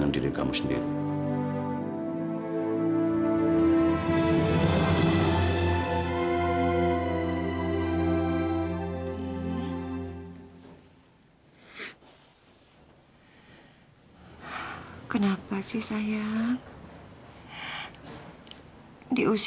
dan ingin membawa vino